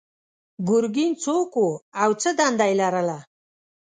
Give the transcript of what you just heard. ګرګین څوک و او څه دنده یې لرله؟